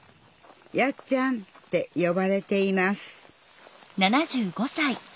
「やっちゃん」ってよばれています